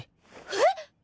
えっ！？